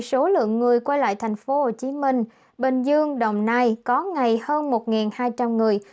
số lượng người quay lại thành phố hồ chí minh bình dương đồng nai có ngày hơn một hai trăm linh người